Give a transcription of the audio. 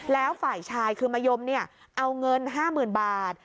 แล้วฝ่ายชายคือมะยมเอาเงิน๕๐๐๐บาท